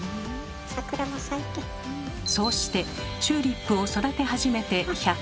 そうしてチューリップを育て始めて１０７日目。